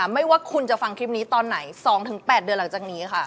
ไม่ว่าคุณจะฟังคลิปนี้ตอนไหน๒๘เดือนหลังจากนี้ค่ะ